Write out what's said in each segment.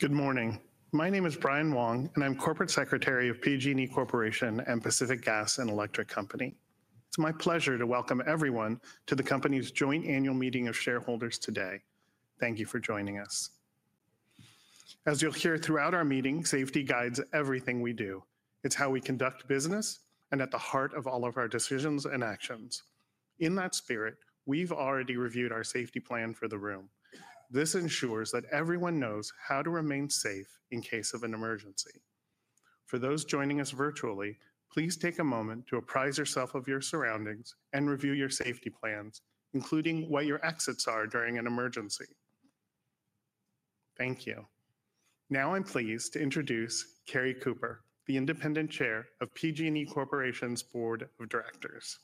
Good morning. My name is Brian Wong, and I'm Corporate Secretary of PG&E Corporation and Pacific Gas and Electric Company. It's my pleasure to welcome everyone to the company's joint annual meeting of shareholders today. Thank you for joining us. As you'll hear throughout our meeting, safety guides everything we do. It's how we conduct business and at the heart of all of our decisions and actions. In that spirit, we've already reviewed our safety plan for the room. This ensures that everyone knows how to remain safe in case of an emergency. For those joining us virtually, please take a moment to apprise yourself of your surroundings and review your safety plans, including what your exits are during an emergency. Thank you. Now I'm pleased to introduce Kerry Cooper, the Independent Chair of PG&E Corporation's Board of Directors.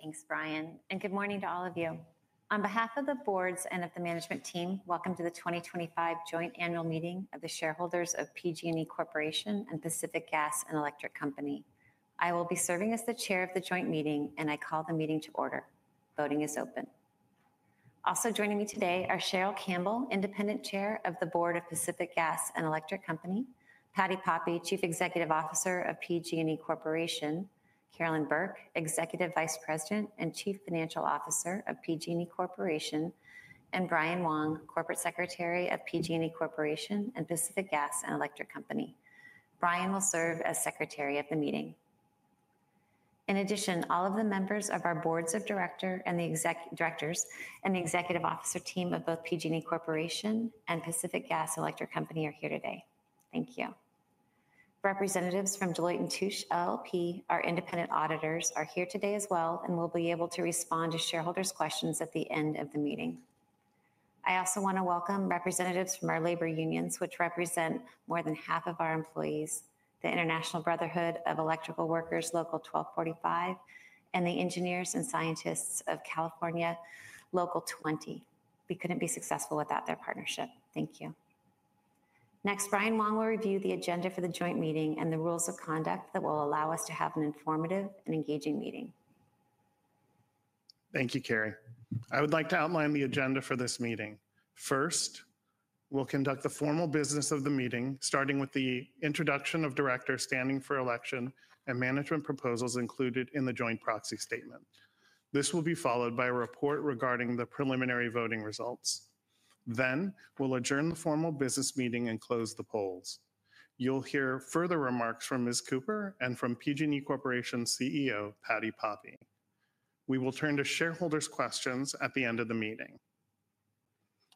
Thanks, Brian, and good morning to all of you. On behalf of the boards and of the management team, welcome to the 2025 joint annual meeting of the shareholders of PG&E Corporation and Pacific Gas and Electric Company. I will be serving as the Chair of the joint meeting, and I call the meeting to order. Voting is open. Also joining me today are Cheryl Campbell, Independent Chair of the Board of Pacific Gas and Electric Company; Patti Poppe, Chief Executive Officer of PG&E Corporation; Carolyn Burke, Executive Vice President and Chief Financial Officer of PG&E Corporation; and Brian Wong, Corporate Secretary of PG&E Corporation and Pacific Gas and Electric Company. Brian will serve as Secretary at the meeting. In addition, all of the members of our boards of directors and the executive officer team of both PG&E Corporation and Pacific Gas and Electric Company are here today. Thank you. Representatives from Deloitte & Touche LLP, our independent auditors, are here today as well and will be able to respond to shareholders' questions at the end of the meeting. I also want to welcome representatives from our labor unions, which represent more than half of our employees, the International Brotherhood of Electrical Workers, Local 1245, and the Engineers and Scientists of California, Local 20. We could not be successful without their partnership. Thank you. Next, Brian Wong will review the agenda for the joint meeting and the rules of conduct that will allow us to have an informative and engaging meeting. Thank you, Kerry. I would like to outline the agenda for this meeting. First, we'll conduct the formal business of the meeting, starting with the introduction of directors standing for election and management proposals included in the joint proxy statement. This will be followed by a report regarding the preliminary voting results. We will adjourn the formal business meeting and close the polls. You'll hear further remarks from Ms. Cooper and from PG&E Corporation's CEO, Patti Poppe. We will turn to shareholders' questions at the end of the meeting.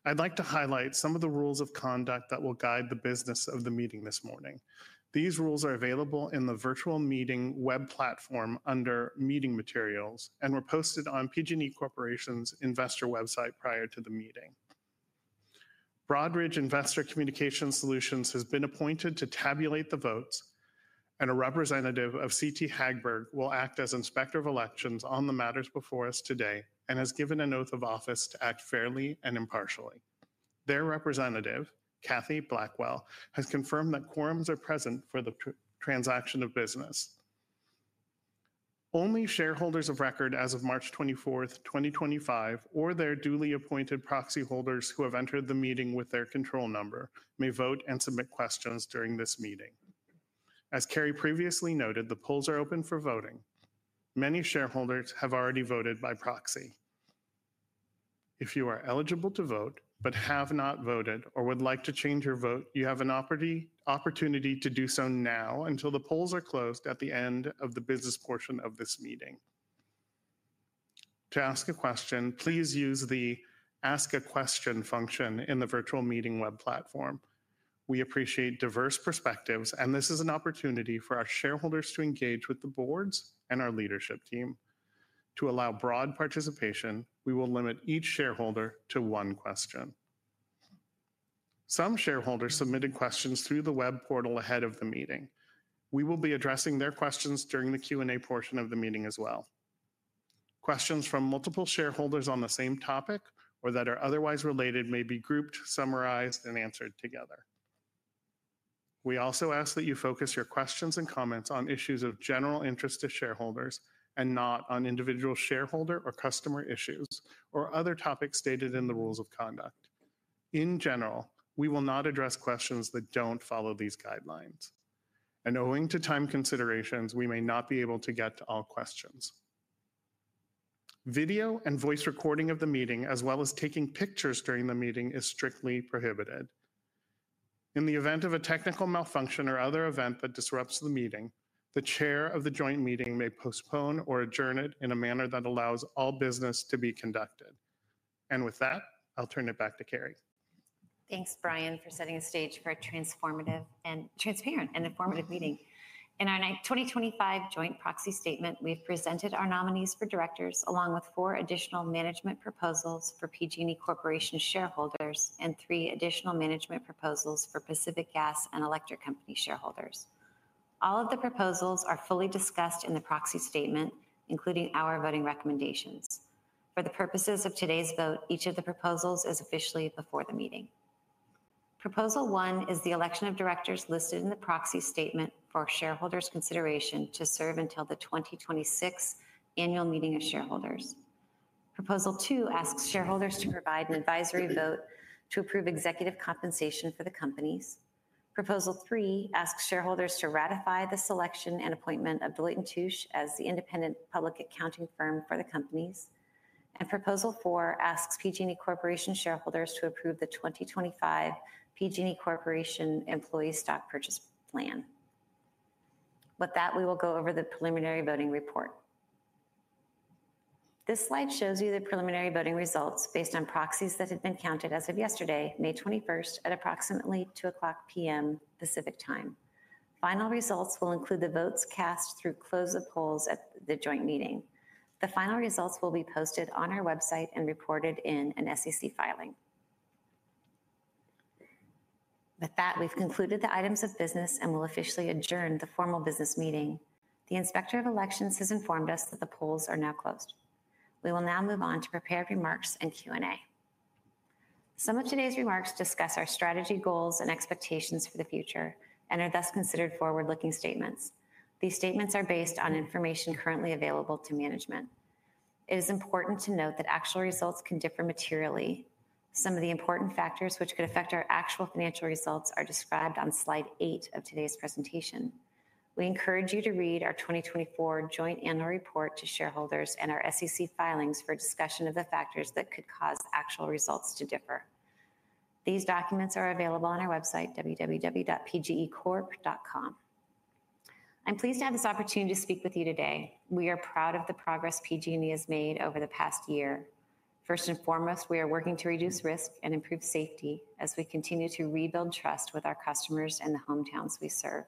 I'd like to highlight some of the rules of conduct that will guide the business of the meeting this morning. These rules are available in the virtual meeting web platform under Meeting Materials and were posted on PG&E Corporation's investor website prior to the meeting. Broadridge Investor Communication Solutions has been appointed to tabulate the votes, and a representative of CT Hagberg will act as inspector of elections on the matters before us today and has given a note of office to act fairly and impartially. Their representative, Kathy Blackwell, has confirmed that quorums are present for the transaction of business. Only shareholders of record as of March 24, 2025, or their duly appointed proxy holders who have entered the meeting with their control number may vote and submit questions during this meeting. As Kerry previously noted, the polls are open for voting. Many shareholders have already voted by proxy. If you are eligible to vote but have not voted or would like to change your vote, you have an opportunity to do so now until the polls are closed at the end of the business portion of this meeting. To ask a question, please use the Ask a Question function in the virtual meeting web platform. We appreciate diverse perspectives, and this is an opportunity for our shareholders to engage with the boards and our leadership team. To allow broad participation, we will limit each shareholder to one question. Some shareholders submitted questions through the web portal ahead of the meeting. We will be addressing their questions during the Q&A portion of the meeting as well. Questions from multiple shareholders on the same topic or that are otherwise related may be grouped, summarized, and answered together. We also ask that you focus your questions and comments on issues of general interest to shareholders and not on individual shareholder or customer issues or other topics stated in the rules of conduct. In general, we will not address questions that do not follow these guidelines. Owing to time considerations, we may not be able to get to all questions. Video and voice recording of the meeting, as well as taking pictures during the meeting, is strictly prohibited. In the event of a technical malfunction or other event that disrupts the meeting, the chair of the joint meeting may postpone or adjourn it in a manner that allows all business to be conducted. With that, I'll turn it back to Kerry. Thanks, Brian, for setting the stage for a transformative and transparent and informative meeting. In our 2025 joint proxy statement, we have presented our nominees for directors along with four additional management proposals for PG&E Corporation shareholders and three additional management proposals for Pacific Gas and Electric Company shareholders. All of the proposals are fully discussed in the proxy statement, including our voting recommendations. For the purposes of today's vote, each of the proposals is officially before the meeting. Proposal one is the election of directors listed in the proxy statement for shareholders' consideration to serve until the 2026 annual meeting of shareholders. Proposal two asks shareholders to provide an advisory vote to approve executive compensation for the companies. Proposal three asks shareholders to ratify the selection and appointment of Deloitte & Touche as the independent public accounting firm for the companies. Proposal four asks PG&E Corporation shareholders to approve the 2025 PG&E Corporation employee stock purchase plan. With that, we will go over the preliminary voting report. This slide shows you the preliminary voting results based on proxies that have been counted as of yesterday, May 21, at approximately 2:00 P.M. Pacific Time. Final results will include the votes cast through close of polls at the joint meeting. The final results will be posted on our website and reported in an SEC filing. With that, we've concluded the items of business and will officially adjourn the formal business meeting. The inspector of elections has informed us that the polls are now closed. We will now move on to prepared remarks and Q&A. Some of today's remarks discuss our strategy, goals, and expectations for the future and are thus considered forward-looking statements. These statements are based on information currently available to management. It is important to note that actual results can differ materially. Some of the important factors which could affect our actual financial results are described on slide eight of today's presentation. We encourage you to read our 2024 joint annual report to shareholders and our SEC filings for discussion of the factors that could cause actual results to differ. These documents are available on our website, www.pgeecorp.com. I'm pleased to have this opportunity to speak with you today. We are proud of the progress PG&E has made over the past year. First and foremost, we are working to reduce risk and improve safety as we continue to rebuild trust with our customers and the hometowns we serve.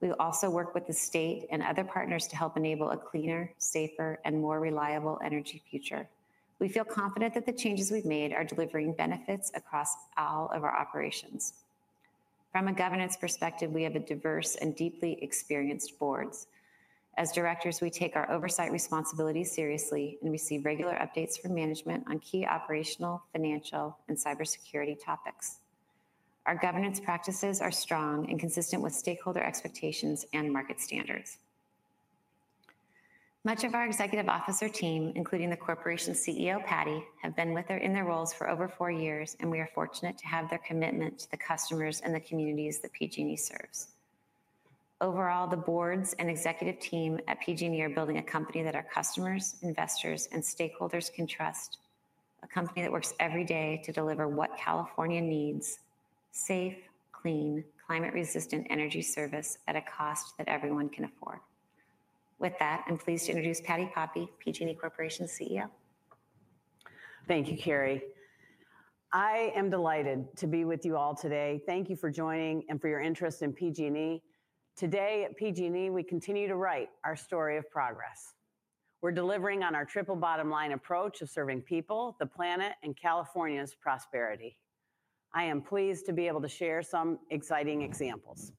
We also work with the state and other partners to help enable a cleaner, safer, and more reliable energy future. We feel confident that the changes we've made are delivering benefits across all of our operations. From a governance perspective, we have a diverse and deeply experienced board. As directors, we take our oversight responsibilities seriously and receive regular updates from management on key operational, financial, and cybersecurity topics. Our governance practices are strong and consistent with stakeholder expectations and market standards. Much of our executive officer team, including the corporation's CEO, Patti, have been with her in their roles for over four years, and we are fortunate to have their commitment to the customers and the communities that PG&E serves. Overall, the boards and executive team at PG&E are building a company that our customers, investors, and stakeholders can trust, a company that works every day to deliver what California needs: safe, clean, climate-resistant energy service at a cost that everyone can afford. With that, I'm pleased to introduce Patti Poppe, PG&E Corporation's CEO. Thank you, Kerry. I am delighted to be with you all today. Thank you for joining and for your interest in PG&E. Today at PG&E, we continue to write our story of progress. We're delivering on our triple bottom line approach of serving people, the planet, and California's prosperity. I am pleased to be able to share some exciting examples.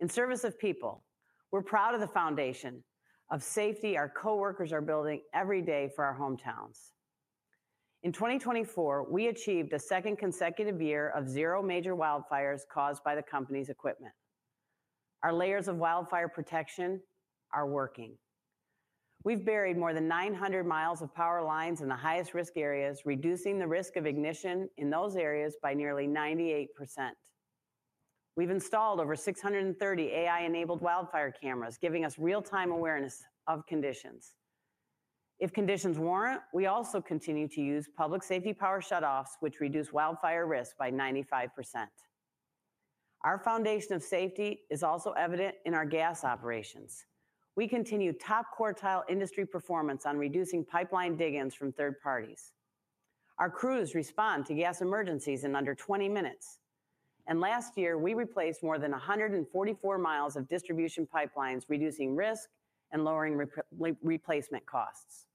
In service of people, we're proud of the foundation of safety our coworkers are building every day for our hometowns. In 2024, we achieved a second consecutive year of zero major wildfires caused by the company's equipment. Our layers of wildfire protection are working. We've buried more than 900 mi of power lines in the highest risk areas, reducing the risk of ignition in those areas by nearly 98%. We've installed over 630 AI-enabled wildfire cameras, giving us real-time awareness of conditions. If conditions warrant, we also continue to use public safety power shutoffs, which reduce wildfire risk by 95%. Our foundation of safety is also evident in our gas operations. We continue top quartile industry performance on reducing pipeline dig-ins from third parties. Our crews respond to gas emergencies in under 20 minutes. Last year, we replaced more than 144 mi of distribution pipelines, reducing risk and lowering replacement costs.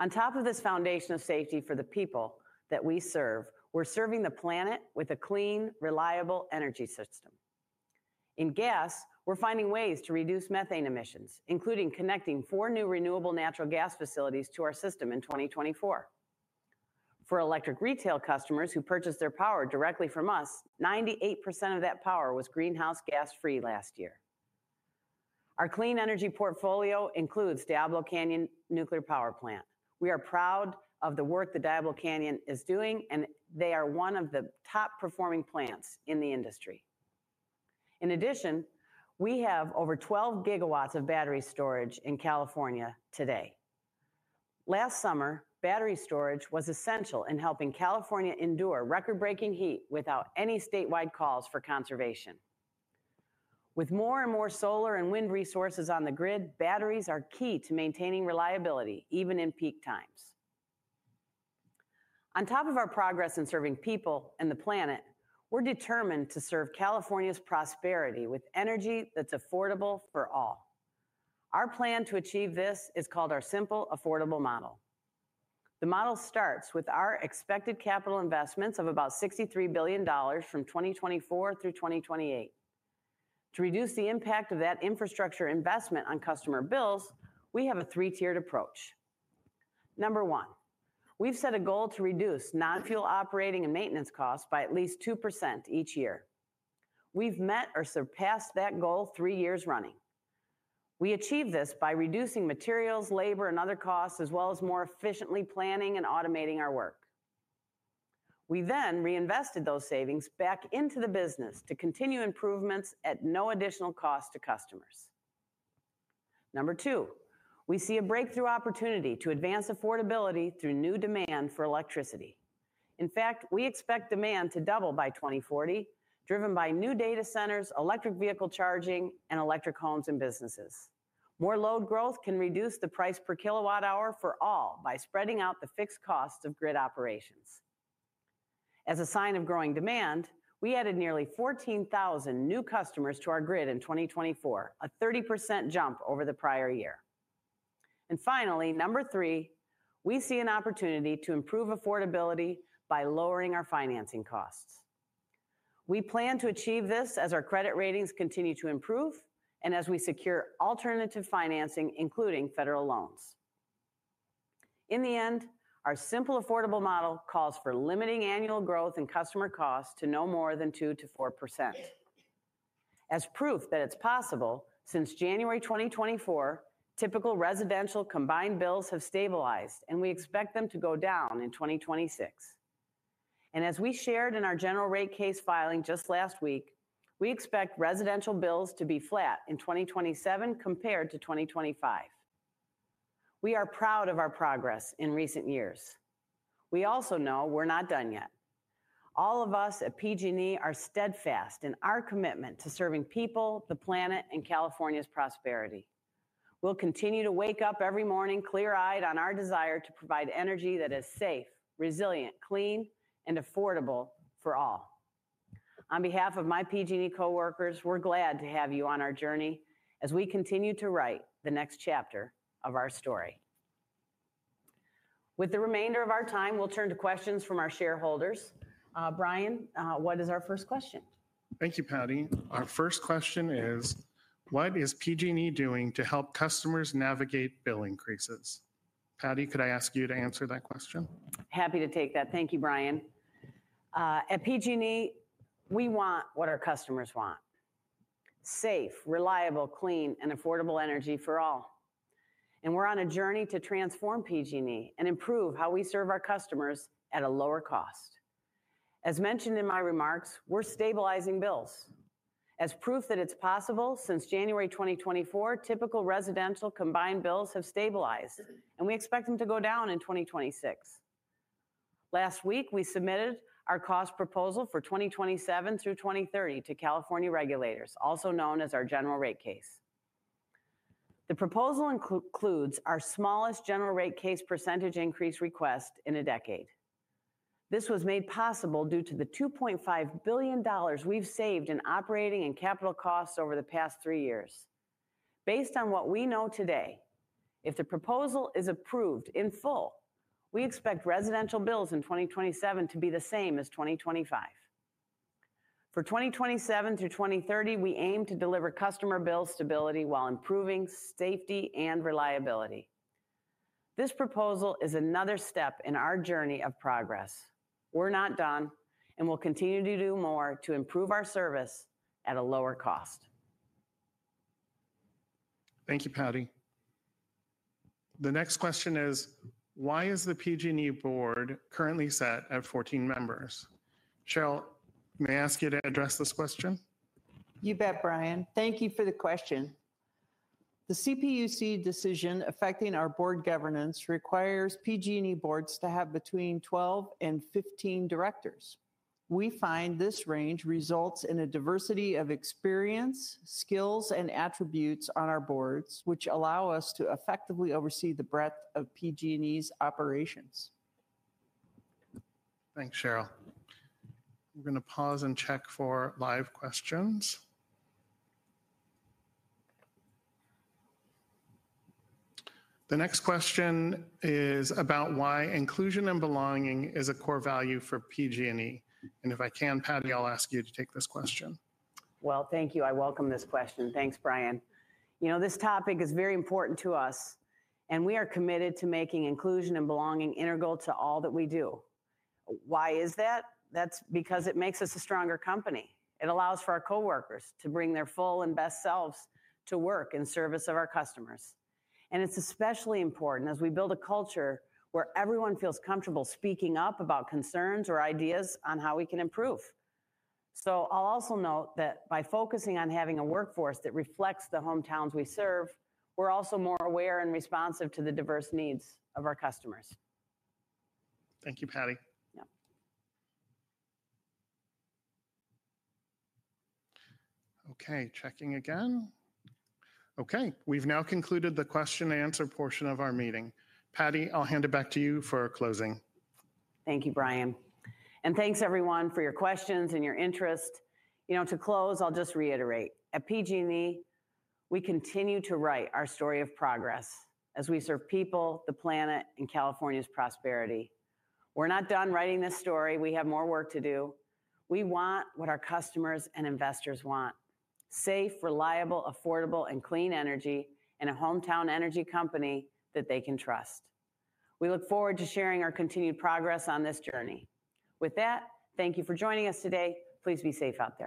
On top of this foundation of safety for the people that we serve, we're serving the planet with a clean, reliable energy system. In gas, we're finding ways to reduce methane emissions, including connecting four new renewable natural gas facilities to our system in 2024. For electric retail customers who purchase their power directly from us, 98% of that power was greenhouse gas-free last year. Our clean energy portfolio includes Diablo Canyon Nuclear Power Plant. We are proud of the work that Diablo Canyon is doing, and they are one of the top-performing plants in the industry. In addition, we have over 12 gigawatts of battery storage in California today. Last summer, battery storage was essential in helping California endure record-breaking heat without any statewide calls for conservation. With more and more solar and wind resources on the grid, batteries are key to maintaining reliability even in peak times. On top of our progress in serving people and the planet, we're determined to serve California's prosperity with energy that's affordable for all. Our plan to achieve this is called our Simple Affordable Model. The model starts with our expected capital investments of about $63 billion from 2024 through 2028. To reduce the impact of that infrastructure investment on customer bills, we have a three-tiered approach. Number one, we've set a goal to reduce non-fuel operating and maintenance costs by at least 2% each year. We've met or surpassed that goal three years running. We achieve this by reducing materials, labor, and other costs, as well as more efficiently planning and automating our work. We then reinvested those savings back into the business to continue improvements at no additional cost to customers. Number two, we see a breakthrough opportunity to advance affordability through new demand for electricity. In fact, we expect demand to double by 2040, driven by new data centers, electric vehicle charging, and electric homes and businesses. More load growth can reduce the price per kilowatt-hour for all by spreading out the fixed costs of grid operations. As a sign of growing demand, we added nearly 14,000 new customers to our grid in 2024, a 30% jump over the prior year. Finally, number three, we see an opportunity to improve affordability by lowering our financing costs. We plan to achieve this as our credit ratings continue to improve and as we secure alternative financing, including federal loans. In the end, our Simple Affordable Model calls for limiting annual growth in customer costs to no more than 2%-4%. As proof that it's possible, since January 2024, typical residential combined bills have stabilized, and we expect them to go down in 2026. As we shared in our general rate case filing just last week, we expect residential bills to be flat in 2027 compared to 2025. We are proud of our progress in recent years. We also know we're not done yet. All of us at PG&E are steadfast in our commitment to serving people, the planet, and California's prosperity. We'll continue to wake up every morning clear-eyed on our desire to provide energy that is safe, resilient, clean, and affordable for all. On behalf of my PG&E coworkers, we're glad to have you on our journey as we continue to write the next chapter of our story. With the remainder of our time, we'll turn to questions from our shareholders. Brian, what is our first question? Thank you, Patti. Our first question is, what is PG&E doing to help customers navigate bill increases? Patti, could I ask you to answer that question? Happy to take that. Thank you, Brian. At PG&E, we want what our customers want: safe, reliable, clean, and affordable energy for all. We are on a journey to transform PG&E and improve how we serve our customers at a lower cost. As mentioned in my remarks, we are stabilizing bills. As proof that it is possible, since January 2024, typical residential combined bills have stabilized, and we expect them to go down in 2026. Last week, we submitted our cost proposal for 2027-2030 to California regulators, also known as our general rate case. The proposal includes our smallest general rate case % increase request in a decade. This was made possible due to the $2.5 billion we have saved in operating and capital costs over the past three years. Based on what we know today, if the proposal is approved in full, we expect residential bills in 2027 to be the same as 2025. For 2027-2030, we aim to deliver customer bill stability while improving safety and reliability. This proposal is another step in our journey of progress. We're not done, and we'll continue to do more to improve our service at a lower cost. Thank you, Patti. The next question is, why is the PG&E board currently set at 14 members? Cheryl, may I ask you to address this question? You bet, Brian. Thank you for the question. The CPUC decision affecting our board governance requires PG&E boards to have between 12 and 15 directors. We find this range results in a diversity of experience, skills, and attributes on our boards, which allow us to effectively oversee the breadth of PG&E's operations. Thanks, Cheryl. We're going to pause and check for live questions. The next question is about why inclusion and belonging is a core value for PG&E. If I can, Patti, I'll ask you to take this question. Thank you. I welcome this question. Thanks, Brian. You know, this topic is very important to us, and we are committed to making inclusion and belonging integral to all that we do. Why is that? That is because it makes us a stronger company. It allows for our coworkers to bring their full and best selves to work in service of our customers. It is especially important as we build a culture where everyone feels comfortable speaking up about concerns or ideas on how we can improve. I will also note that by focusing on having a workforce that reflects the hometowns we serve, we are also more aware and responsive to the diverse needs of our customers. Thank you, Patti. Okay, checking again. Okay, we've now concluded the question-and-answer portion of our meeting. Patti, I'll hand it back to you for closing. Thank you, Brian. Thank you, everyone, for your questions and your interest. You know, to close, I'll just reiterate. At PG&E, we continue to write our story of progress as we serve people, the planet, and California's prosperity. We're not done writing this story. We have more work to do. We want what our customers and investors want: safe, reliable, affordable, and clean energy and a hometown energy company that they can trust. We look forward to sharing our continued progress on this journey. With that, thank you for joining us today. Please be safe out there.